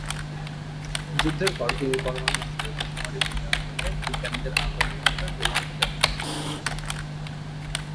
যুদ্ধের পর তিনি পরমাণু অস্ত্রের বেসামরিক নিয়ন্ত্রণে বিজ্ঞানীদের আন্দোলনের সাথে জড়িত ছিলেন।